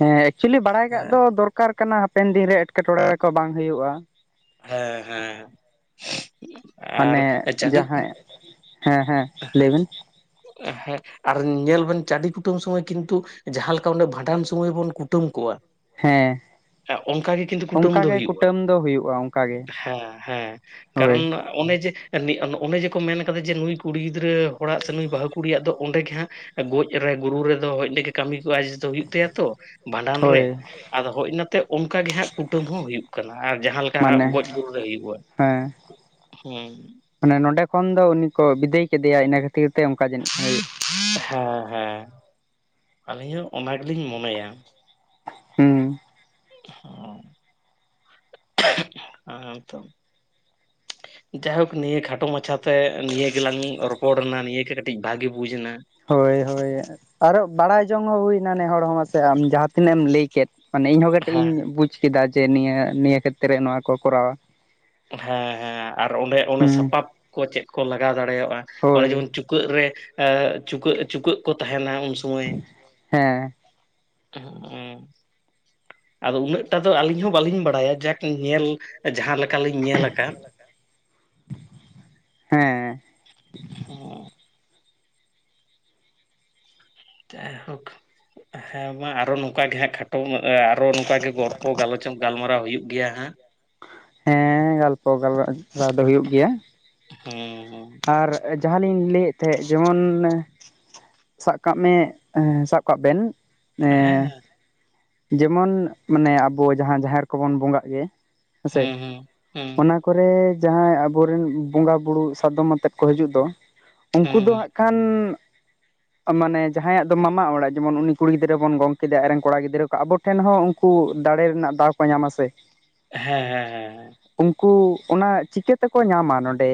Speaker 2: ᱦᱮᱸ ᱮᱠᱪᱚᱞᱤ ᱵᱟᱲᱟᱭ ᱠᱟᱜ ᱫᱚ ᱫᱚᱨᱠᱟᱨ ᱠᱟᱱᱟ ᱦᱟᱯᱮᱱ ᱫᱤᱱ ᱨᱮ ᱮᱴᱠᱮᱴᱚᱲᱮ ᱨᱮᱠᱚ ᱵᱟᱝ ᱦᱩᱭᱩᱜᱼᱟ ᱾
Speaker 1: ᱦᱮᱸ ᱦᱮᱸ ᱾ [unintelligible]
Speaker 2: ᱢᱟᱱᱮ ᱡᱟᱦᱟᱸᱭ [unintelligible] ᱦᱮᱸ ᱦᱮᱸ ᱞᱟᱹᱭᱵᱤᱱ?
Speaker 1: ᱮ ᱦᱮᱸ ᱾ [unintelligible] ᱟᱨ ᱧᱮᱞ ᱵᱮᱱ ᱪᱟᱹᱰᱤ ᱠᱩᱴᱟᱹᱢ ᱥᱚᱢᱚᱭ ᱠᱤᱱᱛᱩ ᱡᱟᱦᱟᱸ ᱞᱮᱠᱟ ᱵᱷᱟᱸᱰᱟᱱ ᱥᱚᱢᱚᱭ ᱵᱚᱱ ᱠᱩᱴᱟᱹᱢ ᱠᱚᱣᱟ,
Speaker 2: ᱦᱮᱸ
Speaker 1: [inaudible] ᱦᱮᱸ ᱚᱱᱠᱟ ᱜᱮ ᱠᱤᱱᱛᱩ ᱠᱩᱴᱟᱹᱢ
Speaker 2: ᱚᱱᱠᱟ
Speaker 1: ᱫᱚ
Speaker 2: ᱜᱮ
Speaker 1: ᱦᱩᱭᱩᱜᱼᱟ᱾
Speaker 2: ᱠᱩᱴᱟᱹᱢ ᱫᱚ ᱦᱩᱭᱩᱜᱼᱟ ᱚᱱᱠᱟ ᱜᱮ,
Speaker 1: ᱦᱮᱸ ᱦᱮᱸ
Speaker 2: ᱦᱳᱭ
Speaker 1: ᱠᱟᱨᱚᱱ ᱚᱱᱮ ᱡᱮ ᱚᱱᱮ ᱡᱮᱠᱚ ᱢᱮᱱ ᱠᱟᱫᱟ ᱡᱮ ᱱᱩᱭ ᱠᱩᱲᱤ ᱜᱤᱫᱽᱨᱟᱹ, ᱦᱚᱲᱟᱜ ᱥᱮ ᱱᱩᱭ ᱵᱟᱹᱟᱦᱩ ᱠᱩᱲᱤᱭᱟᱜ ᱫᱚ ᱚᱸᱰᱮ ᱜᱮ ᱦᱟᱸᱜ ᱜᱚᱡ ᱨᱮ ᱜᱩᱨᱩ ᱨᱮᱫᱚ ᱠᱟᱹᱢᱤ ᱠᱚᱼᱟ, ᱳ ᱛᱟᱭᱟ ᱛᱚ ᱵᱷᱟᱸᱰᱟᱱ ᱨᱮ,
Speaker 2: ᱦᱳᱭ
Speaker 1: ᱟᱫᱚ ᱦᱡᱽ ᱤᱱᱟᱛᱮ ᱚᱱᱠᱟ ᱜᱮ ᱦᱟᱸᱜ ᱠᱩᱴᱟᱹᱢ ᱦᱚᱸ ᱦᱩᱭᱩᱜ ᱠᱟᱱᱟ ᱾ᱟᱨ ᱡᱟᱦᱟᱸᱠᱟ ᱡᱟᱦᱟᱸ
Speaker 2: ᱢᱟᱱᱮ
Speaker 1: ᱜᱚᱡ ᱜᱩᱨ ᱨᱮ ᱦᱩᱭᱩᱜᱼᱟ
Speaker 2: ᱦᱮᱸ
Speaker 1: [unintelligible] ᱦᱩᱸ
Speaker 2: ᱢᱟᱱᱮ ᱱᱚᱸᱰᱮ ᱠᱷᱚᱱ ᱫᱚ ᱩᱱᱤ ᱠᱚ ᱵᱤᱫᱟᱹᱭ ᱠᱮᱫᱮᱭᱟ ᱤᱱᱟᱹ ᱠᱷᱟᱹᱛᱤᱨ ᱛᱮ ᱚᱱᱠᱟ ᱡᱟᱹᱱᱤᱡᱼᱟ᱾ [unintelligible]
Speaker 1: ᱦᱮᱸ ᱦᱮᱸ, ᱟᱹᱞᱤᱧ ᱦᱚᱸ ᱚᱱᱟ ᱜᱮᱞᱤᱧ ᱢᱚᱱᱮᱭᱟ,
Speaker 2: ᱦᱩᱸ,
Speaker 1: ᱦ ᱦᱮ ᱛᱚ [unintelligible]
Speaker 2: [inaudible]
Speaker 1: ᱡᱟᱭᱦᱳᱠ ᱱᱤᱭᱟᱹ ᱠᱷᱟᱴᱚ ᱢᱟᱪᱷᱟᱛᱮ ᱱᱤᱭᱟᱹ ᱜᱮᱞᱟᱝ ᱨᱚᱯᱚᱲ ᱮᱱᱟ ᱱᱤᱭᱟᱹᱜᱮ ᱠᱟᱹᱴᱤᱡ ᱵᱷᱟᱜᱤ ᱵᱩᱡ ᱮᱱᱟ᱾
Speaker 2: ᱦᱳᱭ ᱦᱳᱭ, ᱟᱨᱚ ᱵᱟᱲᱟᱭ ᱡᱚᱝ ᱦᱚᱸ ᱦᱩᱭᱱᱟ ᱱᱮ ᱦᱚᱲ ᱦᱚᱸ ᱢᱟᱥᱮ ᱟᱢ ᱡᱟᱦᱟᱸ ᱛᱤᱱᱟᱹᱜ ᱮᱢ ᱞᱟᱹᱭ ᱠᱮᱫ᱾ ᱢᱟᱱᱮ ᱤᱧᱦᱚᱸ ᱠᱟᱹᱴᱤᱡ
Speaker 1: ᱦᱮᱸ
Speaker 2: ᱤᱧ ᱵᱩᱡᱽ ᱠᱮᱫᱟ ᱡᱮ, ᱱᱤᱭᱟᱹ ᱱᱤᱭᱟᱹ ᱠᱷᱮᱛᱨᱮ ᱱᱚᱣᱟ ᱠᱚ ᱠᱚᱨᱟᱣᱟ,
Speaker 1: ᱦᱮᱸ ᱦᱮᱸ ᱟᱨ ᱚᱸᱰᱮ ᱚᱱᱮ
Speaker 2: ᱦᱩᱸ
Speaker 1: ᱥᱟᱯᱟᱵ ᱠᱚ ᱪᱮᱫ ᱠᱚ ᱞᱟᱜᱟᱣ ᱫᱟᱲᱮᱭᱟᱜᱼᱟ, ᱚᱱᱮ
Speaker 2: ᱦᱳᱭ
Speaker 1: ᱡᱮᱢᱚᱱ ᱪᱩᱯ ᱪᱩᱠᱟᱹᱜ ᱨᱮ ᱪᱩᱠᱟᱹᱜ ᱪᱩᱠᱟᱹᱜ ᱠᱚ ᱛᱟᱦᱮᱱᱟ ᱩᱱ ᱥᱚᱢᱚᱭ
Speaker 2: ᱦᱮᱸ
Speaker 1: [inaudible] ᱦᱩᱸᱻ ᱟᱫᱚ ᱩᱱᱟᱹᱜ ᱴᱟ ᱫᱚ ᱟᱹᱞᱤᱧ ᱦᱚᱸ ᱵᱟᱹᱞᱤᱧ ᱵᱟᱲᱟᱭᱟ ᱡᱟᱠ ᱧᱮᱞ ᱡᱟᱦᱟᱸ ᱞᱮᱠᱟ ᱞᱤᱧ ᱧᱮᱞ ᱟᱠᱟᱫ᱾
Speaker 2: ᱦᱮᱸ᱾
Speaker 1: ᱦᱚᱸ᱾ ᱡᱟᱭᱦᱳᱠ ᱦᱮᱸ ᱢᱟ ᱟᱨᱚ ᱱᱚᱝᱠᱟ ᱜᱮ ᱦᱟᱸᱜ ᱠᱷᱟᱴ ᱴᱚ ᱢᱮᱜ-ᱮ ᱟᱨᱚ ᱱᱚᱝᱠᱟ ᱜᱮ ᱜᱚᱨᱯᱚ ᱜᱟᱞᱚᱪ ᱜᱟᱞᱢᱟᱨᱟᱣ ᱦᱩᱭᱩᱜ ᱜᱮᱭᱟ ᱦᱟᱸᱜ᱾
Speaker 2: ᱠᱚ [unintelligible] ᱫᱚ ᱦᱩᱭᱩᱜ ᱜᱮᱭᱟ᱾
Speaker 1: ᱦᱩᱸ ᱦᱩᱸ᱾
Speaker 2: ᱟᱨ ᱡᱟᱦᱟᱸ ᱞᱤᱧ ᱞᱟᱹᱭᱮᱫ ᱛᱟᱦᱮᱸᱫ ᱡᱮᱢᱚᱱ ᱥᱟᱵ ᱠᱟᱜ ᱢᱮ, ᱮᱸ ᱥᱟᱵ ᱠᱟᱜ ᱵᱮᱱ ᱮᱸ
Speaker 1: ᱦᱮᱸ
Speaker 2: ᱡᱮᱢᱚᱱ ᱢᱟᱱᱮ ᱟᱵᱚ ᱡᱟᱦᱟᱸ ᱡᱟᱦᱮᱨ ᱠᱚᱵᱚᱱ ᱵᱚᱸᱜᱟᱜ ᱜᱮ, ᱦᱮᱸ ᱥᱮ?
Speaker 1: ᱦᱩᱸ ᱦᱩᱸ ᱦᱩᱸ
Speaker 2: ᱚᱱᱟ ᱠᱚᱨᱮ ᱡᱟᱦᱟᱸᱭ ᱟᱵᱚᱨᱮᱱ ᱵᱚᱸᱜᱟ ᱵᱩᱲᱩ ᱥᱟᱫᱚᱢ ᱟᱛᱮᱫ ᱠᱚ ᱦᱤᱡᱩᱜ ᱫᱚ, ᱩᱱᱠᱩ ᱫᱚ
Speaker 1: ᱦᱩᱸ
Speaker 2: ᱦᱟᱸᱜ ᱠᱷᱟᱱ ᱢᱟᱱᱮ ᱡᱟᱦᱟᱸᱭᱟᱜ ᱫᱚ ᱢᱟᱢᱟ ᱚᱲᱟᱜ ᱡᱮᱢᱚᱱ ᱩᱱᱤ ᱠᱩᱲᱤ ᱜᱤᱫᱽᱨᱟᱹ ᱵᱚᱱ ᱜᱚᱝ ᱠᱮᱫᱮᱭᱟ ᱟᱡᱨᱮᱱ ᱠᱚᱲᱟ ᱜᱤᱫᱽᱨᱟᱹ ᱠᱚ ᱟᱵᱚ ᱴᱷᱮᱱ ᱦᱚᱸ ᱩᱱᱠᱩ ᱫᱟᱲᱮ ᱨᱮᱱᱟᱜ ᱫᱟᱣ ᱠᱚ ᱧᱟᱢᱟ ᱥᱮ᱾
Speaker 1: ᱦᱮᱸ ᱦᱮᱸ ᱦᱮᱸ ᱦᱮᱸ᱾
Speaker 2: ᱩᱱᱠᱩ ᱚᱱᱟ ᱪᱤᱠᱟᱹ ᱛᱮᱠᱚ ᱧᱟᱢᱟ ᱱᱚᱰᱮ᱾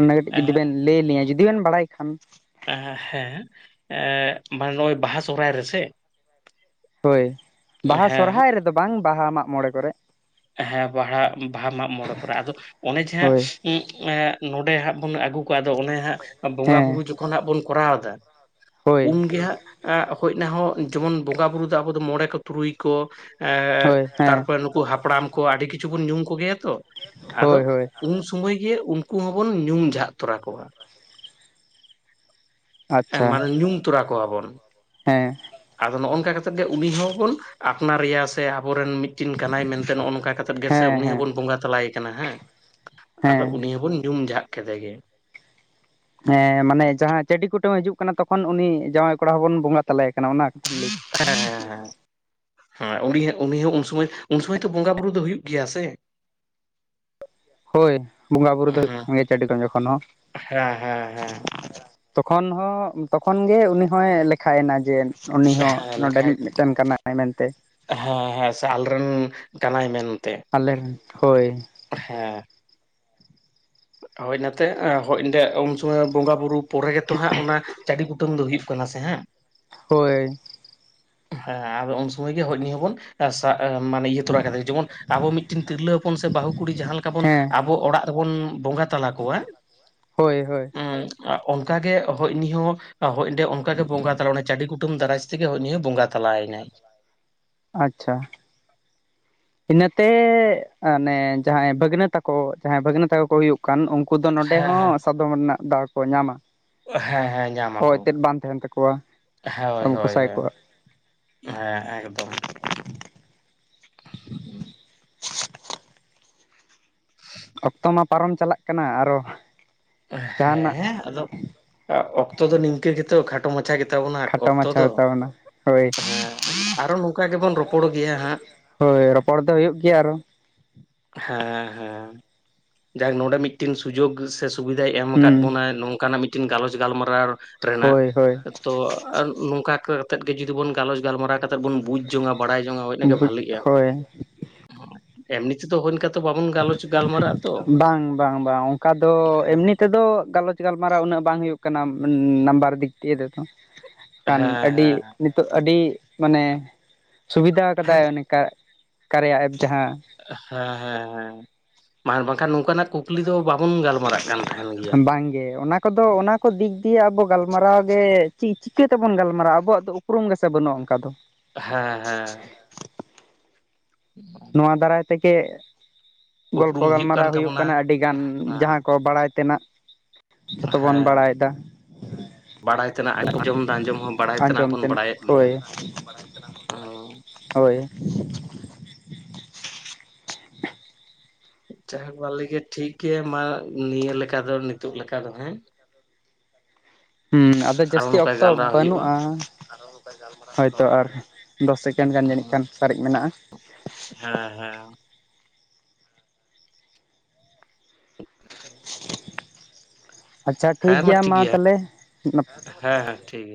Speaker 2: ᱚᱱᱟ ᱠᱟᱹᱴᱤᱡ ᱡᱩᱫᱤ
Speaker 1: ᱮᱸ
Speaker 2: ᱵᱮᱱ ᱞᱟᱹᱭ ᱟᱹᱞᱤᱧᱟᱹ ᱡᱩᱫᱤ ᱵᱮᱱ ᱵᱟᱲᱟᱭ ᱠᱷᱟᱱ᱾
Speaker 1: ᱮ ᱦᱮᱸ ᱮᱸ ᱵᱟ ᱱᱚᱜᱼᱚᱭ ᱵᱟᱦᱟ ᱥᱚᱦᱚᱨᱟᱭ ᱨᱮᱥᱮ
Speaker 2: ᱦᱳᱭ ᱵᱟᱦᱟ
Speaker 1: ᱦᱮᱸ
Speaker 2: ᱥᱚᱨᱦᱟᱭ ᱨᱮᱫᱚ ᱵᱟᱝ ᱵᱟᱦᱟ ᱢᱟᱜ ᱢᱚᱬᱮ ᱠᱚᱨᱮᱜ᱾
Speaker 1: ᱦᱮᱸ ᱵᱟᱦᱲᱟ ᱵᱟᱦᱟ ᱢᱟᱜ ᱢᱚᱬᱮ ᱠᱚᱨᱮ, ᱟᱫᱚ ᱚᱱᱮ ᱡᱮ ᱦᱟᱸᱜ
Speaker 2: ᱦᱳᱭ
Speaker 1: ᱩᱸᱜ ᱮᱸᱜ ᱱᱚᱸᱰᱮ ᱦᱟᱸᱜ ᱵᱚᱱ ᱟᱹᱜᱩ ᱠᱚᱭᱟ ᱟᱫᱚ ᱚᱱᱮ ᱦᱟᱸᱜ ᱵᱚᱸᱜᱟ ᱵᱩᱨᱩ
Speaker 2: ᱦᱮᱸ
Speaker 1: ᱡᱚᱠᱷᱚᱱ ᱦᱟᱸᱜ ᱵᱚᱱ ᱠᱚᱨᱟᱣᱫᱟ
Speaker 2: ᱦᱳᱭ
Speaker 1: ᱩᱱᱜᱮ ᱦᱟᱸᱜ ᱮᱸᱜ ᱦᱳᱭ ᱚᱱᱟ ᱦᱚᱸ ᱡᱮᱢᱚᱱ ᱵᱚᱸᱜᱟ ᱵᱩᱨᱩ ᱫᱚ ᱟᱵᱚ ᱫᱚ ᱢᱚᱬᱮ ᱠᱚ ᱛᱩᱨᱩᱭ ᱠᱚ ᱮᱸᱜ
Speaker 2: ᱦᱳᱭ ᱦᱮᱸ
Speaker 1: ᱛᱟᱨᱯᱚᱨᱮ ᱱᱩᱠ ᱠᱚ ᱦᱟᱯᱲᱟᱢ ᱠᱚ ᱟᱹᱰᱤ ᱠᱤᱪᱷᱩ ᱵᱚᱱ ᱧᱩᱢ ᱠᱚᱜᱮᱭᱟ ᱛᱚ ᱟᱫᱚ
Speaker 2: ᱦᱳᱭ ᱦᱳᱭ
Speaker 1: ᱩᱱ ᱥᱩᱢᱟᱹᱭ ᱜᱮ ᱩᱱᱠᱩ ᱦᱚᱸᱵᱚᱱ ᱧᱩᱢ ᱡᱷᱟᱜ ᱛᱚᱨᱟ ᱠᱚᱣᱟ᱾ ᱦᱮᱸ
Speaker 2: ᱟᱪᱪᱷᱟ
Speaker 1: ᱢᱟᱱᱮ ᱧᱩᱢ ᱛᱚᱨᱟ ᱠᱚᱣᱟᱵᱚᱱ᱾
Speaker 2: ᱦᱮᱸ
Speaker 1: ᱟᱫᱚ ᱱᱚᱜᱼᱚ ᱱᱚᱝᱠᱟ ᱠᱟᱛᱮᱫ ᱜᱮ ᱩᱱᱤ ᱦᱚᱸᱵᱚᱱ ᱟᱯᱱᱟᱨᱮᱭᱟ ᱥᱮ ᱟᱵᱚᱨᱮᱱ ᱢᱤᱫᱴᱤᱱ ᱠᱟᱱᱟᱭ ᱥᱮ ᱱᱚᱜᱼᱚ ᱱᱚᱝᱠᱟ ᱠᱟᱛᱮᱜ ᱜᱮ ᱥᱮ
Speaker 2: ᱦᱮᱸ
Speaker 1: ᱩᱱᱤ
Speaker 2: ᱦᱮᱸ
Speaker 1: ᱦᱚᱸᱵᱚᱱ ᱵᱚᱸᱜᱟ ᱛᱟᱞᱟᱭᱮ ᱠᱟᱱᱟ ᱦᱟᱸᱜ᱾ ᱟᱫᱚ
Speaker 2: ᱦᱮᱸ
Speaker 1: ᱩᱱᱤ ᱦᱚᱸᱵᱚᱱ ᱧᱩᱢ ᱡᱷᱟᱜ ᱠᱮᱫᱮ ᱜᱮ᱾
Speaker 2: ᱦᱮᱸ ᱢᱟᱱᱮ ᱡᱟᱦᱟᱸ ᱪᱟᱹᱰᱤ ᱠᱩᱴᱟᱹᱢᱮ ᱦᱤᱡᱩᱜ ᱠᱟᱱᱟ ᱛᱚᱠᱷᱚᱱ ᱩᱱᱤ ᱡᱟᱶᱟᱭ ᱠᱚᱲᱟ ᱦᱚᱸᱵᱚᱱ ᱵᱚᱸᱜᱟ ᱛᱟᱞᱟᱭᱮ ᱠᱟᱱᱟ ᱚᱱᱟ ᱠᱟᱛᱷᱟᱧ ᱞᱟᱹᱭ
Speaker 1: ᱦᱮᱸ ᱦᱮᱸ ᱦᱮᱸ᱾ ᱦᱮᱸ ᱩᱱᱤ ᱦᱟᱸᱜ ᱩᱱᱤ ᱦᱚᱸ ᱩᱱ ᱥᱚᱢᱚᱭ ᱩᱱ ᱥᱚᱢᱚᱭ ᱛᱚ ᱵᱚᱸᱜᱟ ᱵᱩᱨᱩ ᱫᱚ ᱦᱩᱭᱩᱜ ᱜᱮᱭᱟ ᱥᱮ᱾
Speaker 2: ᱦᱳᱭ ᱵᱚᱸᱜᱟ ᱵᱩᱨᱩ ᱫᱚ ᱦᱩᱭᱩᱜ
Speaker 1: ᱦᱮᱸ
Speaker 2: ᱠᱟᱱ ᱜᱮᱭᱟ ᱪᱟᱹᱰᱤ ᱴᱟᱸᱜᱟ ᱠᱷᱚᱱ ᱦᱚᱸ᱾
Speaker 1: ᱦᱮᱸ ᱦᱮᱸ ᱦᱮᱸ
Speaker 2: ᱛᱚᱠᱷᱚᱱ ᱦᱚᱸ ᱛᱚᱠᱷᱚᱱ ᱜᱮ ᱩᱱᱤ ᱦᱚᱸᱭ ᱞᱮᱠᱷᱟᱭᱮᱱᱟ ᱡᱮ ᱩᱱᱤ ᱦᱚᱸ
Speaker 1: ᱦᱮᱸ ᱞᱮᱠᱷᱟᱡ
Speaker 2: ᱱᱚᱰᱮᱱᱤᱡ ᱢᱤᱫᱴᱮᱱ ᱠᱟᱱᱟᱭ ᱢᱮᱱᱛᱮ᱾
Speaker 1: ᱦᱮᱸ ᱦᱮᱸ ᱥᱮ ᱟᱞᱮᱨᱮᱱ ᱠᱟᱱᱟᱭ ᱢᱮᱱ
Speaker 2: ᱟᱞᱮᱨᱮᱱ ᱦᱳᱭ᱾
Speaker 1: ᱦᱮᱸ᱾ ᱦᱳᱭ ᱱᱟᱛᱮ ᱦᱤᱛ ᱚᱸᱰᱮ ᱩᱱ ᱥᱚᱢᱚᱭ ᱵᱚᱸᱜᱟ ᱵᱩᱨᱩ ᱯᱚᱨᱮ ᱜᱮᱛᱚ ᱦᱟᱸᱜ ᱚᱱᱟ ᱪᱟᱹᱰᱤ ᱠᱩ ᱴᱟᱹᱢ ᱫᱚ ᱦᱩᱭᱩᱜ ᱠᱟᱱᱟ ᱥᱮ ᱦᱟᱸᱜ᱾
Speaker 2: ᱦᱳᱭ᱾
Speaker 1: ᱦᱮᱸ ᱟᱫᱚ ᱩᱱ ᱥᱚᱢᱚᱭ ᱜᱮ ᱦᱳᱭ ᱩᱱᱤ ᱦᱚᱸᱵᱚᱱ ᱟ ᱥᱟᱜ ᱢᱟᱱᱮ ᱤᱭᱟᱹ ᱛᱚᱨᱟ ᱠᱟᱫᱮ ᱡᱮᱢᱚᱱ ᱟᱵᱚ ᱢᱤᱫᱴᱮᱱ ᱛᱤᱨᱞᱟᱹ ᱦᱚᱯᱚᱱ ᱥᱮ ᱵᱟᱹᱦᱩ ᱠᱩᱲᱤ ᱡᱟᱦᱟᱸ ᱞᱮᱠᱟ ᱵᱚᱱ
Speaker 2: ᱦᱮᱸ
Speaker 1: ᱟᱵ ᱵᱚ ᱚᱲᱟᱜ ᱨᱮᱵᱚᱱ ᱵᱚᱸᱜᱟ ᱛᱟᱞᱟ ᱠᱚᱣᱟ
Speaker 2: ᱦᱳᱭ ᱦᱳᱭ
Speaker 1: ᱮᱸ ᱚᱱᱠᱟ ᱜᱮ ᱦᱳᱭ ᱩᱱᱤ ᱦᱚᱸ ᱦᱳᱭ ᱮᱸᱰᱮ ᱚᱱᱠᱟ ᱜᱮ ᱵᱚᱸᱜᱟ ᱛᱟᱞᱟ ᱚᱱᱟ ᱪᱟᱹᱰᱤ ᱠᱩᱴᱟᱢ ᱫᱟᱨᱟᱡᱽ ᱛᱮᱜᱮ ᱦᱳᱭ ᱱᱩᱭ ᱦᱚᱸ ᱵᱚᱸᱜᱟ ᱛᱟᱞᱟᱭᱮᱱᱟᱭ ᱾
Speaker 2: ᱟᱪᱪᱷᱟ ᱾ ᱤᱱᱟᱹᱛᱮ ᱟᱱᱮ ᱡᱟᱦᱟᱸᱭ ᱵᱷᱟᱹᱜᱽᱱᱟᱹ ᱛᱟᱠᱚ ᱡᱟᱦᱟᱸᱭ ᱵᱷᱟᱹᱜᱽᱱᱟᱹ ᱛᱟᱠᱚ ᱠᱚ ᱦᱩᱭᱩᱜ ᱠᱟᱱ ᱠᱩ ᱫᱚ ᱱᱚᱸᱰᱮ
Speaker 1: ᱦᱮᱸ ᱦᱮᱸ
Speaker 2: ᱦᱚᱸ ᱥᱟᱫᱚᱢ ᱨᱮᱱᱟᱜ ᱫᱟᱣ ᱠᱚ ᱧᱟᱢᱟ ᱾
Speaker 1: ᱦᱮᱸ ᱦᱮᱸ ᱧᱟᱢ ᱟᱠᱚ,
Speaker 2: ᱛᱟᱠᱚᱣᱟ
Speaker 1: ᱦᱳᱭ
Speaker 2: ᱟᱵᱚ
Speaker 1: ᱦᱳᱭ
Speaker 2: ᱠᱚᱥᱟᱭ
Speaker 1: ᱦᱳᱭ
Speaker 2: ᱠᱚᱣᱟᱜ
Speaker 1: ᱾ ᱦᱮᱸ ᱮᱠᱫᱚᱢ ᱾
Speaker 2: [inaudible]
Speaker 1: ᱦᱩᱸ ᱾
Speaker 2: ᱚᱠᱛᱚ ᱢᱟ ᱯᱟᱨᱚᱢ ᱪᱟᱞᱟᱜ ᱠᱟᱱᱟ ᱟᱨᱚ ᱡᱟᱦᱟᱱᱟᱜ
Speaker 1: ᱦᱮᱸ ᱟᱫᱚ ᱚᱠᱛᱚ ᱫᱚ ᱱᱤᱝᱠᱟᱹ ᱜᱮᱛᱚ ᱠᱷᱟᱴᱚ ᱢᱟᱪᱷᱟ ᱜᱮᱛᱟᱵᱚᱱᱟ
Speaker 2: ᱠᱷᱟᱴᱚ
Speaker 1: ᱚᱠᱛᱚ
Speaker 2: ᱢᱟᱪᱷᱟ
Speaker 1: ᱫᱚ ᱾
Speaker 2: ᱛᱟᱵᱚᱱᱟ ᱦᱳᱭ
Speaker 1: ᱦᱮᱸ ᱟᱨᱦᱚᱸ ᱱᱚᱝᱠᱟ ᱜᱮᱵᱚᱱ ᱨᱚᱯᱚᱲ ᱜᱮᱭᱟ ᱦᱟᱸᱜ ᱾
Speaker 2: ᱦᱳᱭ ᱨᱚᱯᱚᱲ ᱫᱚ ᱦᱩᱭᱩᱜ ᱜᱮᱭᱟ ᱟᱨᱚ ᱾
Speaker 1: ᱦᱮᱸ ᱦᱮᱸ ᱡᱟᱠ ᱱᱚᱸᱰᱮ ᱢᱤᱫᱴᱤᱱ ᱥᱩᱡᱩᱜ ᱥᱮ ᱥᱩᱵᱤᱫᱟᱭ ᱮᱢ ᱟᱠᱟᱫ
Speaker 2: ᱦᱩᱸ
Speaker 1: ᱵᱚᱱᱟᱭ ᱱᱚᱝᱠᱟᱱᱟᱜ ᱢᱤᱫᱴᱤᱱ ᱜᱟᱞᱚᱪ ᱜᱟᱞᱢᱟᱨᱟᱣ ᱨᱮᱱᱟᱜ,
Speaker 2: ᱦᱳᱭ ᱦᱳᱭ
Speaker 1: ᱛᱚ ᱟᱨ ᱱᱚᱝᱠᱟ ᱠᱟᱹᱛᱮᱫ ᱜᱮ ᱡᱩᱫᱤ ᱵᱚᱱ ᱜᱟᱞᱚᱪ ᱜᱟᱞᱢᱟᱨᱟᱣ ᱠᱟᱛᱮᱫ ᱵᱚᱱ ᱵᱩᱡᱽ ᱡᱚᱝᱟ ᱵᱟᱲᱟᱭ ᱡᱚᱝᱟ ᱦᱳᱭ ᱤᱱᱟᱹᱜᱮ ᱵᱷᱟᱞᱤᱜᱼᱟ
Speaker 2: ᱦᱳᱭ
Speaker 1: ᱮᱢᱱᱤ ᱛᱮᱫᱚ ᱦᱩᱭ ᱚᱱᱠᱟ ᱛᱚ ᱵᱟᱵᱚᱱ ᱜᱟᱞᱚᱪ ᱜᱟᱞᱢᱟᱨᱟᱜᱼᱟ ᱛᱚ
Speaker 2: ᱵᱟᱝ ᱵᱟᱝ ᱵᱟᱝ ᱚᱝᱠᱟ ᱫᱚ ᱮᱢᱱᱤ ᱛᱮᱫᱚ ᱜᱟᱞᱚᱪ ᱜᱟᱞᱢᱟᱨᱟᱣ ᱩᱱᱟᱹᱜ ᱵᱟᱝ ᱦᱩᱭᱩᱜ ᱠᱟᱱᱟ ᱱᱟᱢᱵᱟᱨ ᱫᱤᱠ ᱫᱤᱭᱮ ᱛᱮᱫᱚ ᱾ ᱠᱷᱟᱱ ᱟᱹᱰᱤ
Speaker 1: ᱦᱮᱸ
Speaker 2: ᱱᱤᱛᱚᱜ ᱟᱹᱰᱤ ᱢᱟᱱᱮ ᱥᱩᱵᱤᱫᱷᱟ ᱠᱟᱫᱟᱭ
Speaker 1: ᱦᱮᱸ ᱦᱮᱸ
Speaker 2: ᱚᱱᱮ ᱠᱟ ᱠᱟᱨᱭᱟ ᱮᱯ ᱡᱟᱦᱟᱸ ᱾
Speaker 1: ᱦᱮᱸ ᱦᱮᱸ ᱦᱮᱸ ᱢᱟ ᱵᱟᱝᱠᱷᱟᱱ ᱱᱚᱝᱠᱟᱱᱟᱜ ᱠᱩᱠᱞᱤ ᱫᱚ ᱵᱟᱵᱚᱱ ᱜᱟᱞᱢᱟᱨᱟᱜ ᱠᱟᱱ ᱛᱟᱦᱮᱱ ᱜᱮᱭᱟ ᱾
Speaker 2: ᱵᱟᱝᱜᱮ ᱚᱱᱟ ᱠᱚᱫᱚ ᱚᱱᱟ ᱠᱚ ᱫᱤᱠ ᱫᱤᱭᱮ ᱟᱵᱚ ᱜᱟᱞᱢᱟᱨᱟᱣ ᱜᱮ ᱪᱤᱫ ᱪᱮᱠᱟᱹ ᱛᱮᱵᱚᱱ ᱜᱟᱞᱢᱟᱨᱟᱣ ᱟᱵᱚᱣᱟᱜ ᱫᱚ ᱩᱯᱨᱩᱢ ᱜᱮᱥᱮ ᱵᱟᱹᱱᱩᱜᱼᱟ ᱚᱱᱠᱟ ᱫᱚ ᱾
Speaker 1: ᱦᱮᱸ ᱦᱮᱸ ᱾ [inaudible]
Speaker 2: ᱱᱚᱣᱟ ᱫᱟᱨᱟᱭ ᱛᱮᱜᱮ ᱜᱚᱞᱯᱚ
Speaker 1: ᱩᱯᱨᱩᱢ ᱠᱟᱱ
Speaker 2: ᱜᱟᱞᱢᱟᱨᱟᱣ ᱦᱩᱭᱩᱜ
Speaker 1: ᱛᱟᱵᱚᱱᱟ
Speaker 2: ᱠᱟᱱᱟ ᱟᱹᱰᱤᱜᱟᱱ ᱡᱟᱦᱟᱸ ᱠᱚ ᱵᱟᱲᱟᱭ ᱛᱮᱱᱟᱜ ᱡᱷᱚᱛᱚ ᱵᱚᱱ
Speaker 1: ᱦᱮᱸ
Speaker 2: ᱵᱟᱲᱟᱭ ᱫᱟ᱾
Speaker 1: ᱵᱟᱲᱟᱭ ᱛᱮᱱᱟᱜ
Speaker 2: ᱵᱟᱰᱟᱭ
Speaker 1: ᱟᱸᱡᱚᱢ ᱫᱚ
Speaker 2: ᱠᱟᱱᱟ
Speaker 1: ᱦᱚᱸ
Speaker 2: ᱟᱸᱡᱚᱢ
Speaker 1: ᱵᱟᱲᱟᱭ
Speaker 2: ᱟᱸᱡᱚᱢ
Speaker 1: ᱵᱚᱱ
Speaker 2: ᱛᱮᱱᱟᱜ
Speaker 1: ᱵᱟᱲᱟᱭᱮᱫ ᱜᱮᱭᱟ
Speaker 2: ᱦᱳᱭ [inaudible] ᱦᱳᱭ ᱾
Speaker 1: ᱡᱟᱭ ᱦᱳᱠ ᱵᱷᱟᱞᱤᱜᱮ ᱴᱷᱤᱠ ᱜᱮᱭᱟ ᱢᱟ ᱱᱤᱭᱟᱹ ᱞᱮᱠᱟ ᱫᱚ ᱱᱤᱛᱚᱜ ᱞᱮᱠᱟ ᱫᱚ ᱦᱮᱸ ᱾
Speaker 2: ᱦᱩᱸ ᱟᱫᱚ
Speaker 1: ᱟᱨᱚ
Speaker 2: ᱡᱟᱹᱥᱛᱤ
Speaker 1: ᱱᱚᱝᱠᱟ
Speaker 2: ᱚᱠᱛᱚ
Speaker 1: ᱜᱟᱞᱢᱟᱨᱟᱣ ᱦᱩᱭᱩᱜᱼᱟ
Speaker 2: ᱵᱟᱹᱱᱩᱜᱼᱟ ᱾ [inaudible] ᱦᱳᱭ ᱛᱳ ᱟᱨ ᱫᱚᱥ ᱥᱮᱠᱮᱱᱰ ᱜᱟᱱ ᱡᱟᱹᱱᱤᱡ ᱠᱷᱟᱱ ᱥᱟᱨᱮᱡ ᱢᱮᱱᱟᱜᱼᱟ ᱾
Speaker 1: ᱦᱮᱸ ᱦᱮᱸ ᱾ [inaudible]
Speaker 2: ᱟᱪᱪᱷᱟ
Speaker 1: ᱦᱮᱸ
Speaker 2: ᱴᱷᱤᱠᱜᱮᱭᱟ
Speaker 1: ᱴᱷᱤᱠ
Speaker 2: ᱢᱟ
Speaker 1: ᱜᱮᱭᱟ
Speaker 2: ᱛᱟᱦᱞᱮ ᱱᱟ
Speaker 1: ᱦᱮᱸ ᱦᱮᱸ ᱴᱷᱤᱠ ᱜᱮᱭᱟ ᱾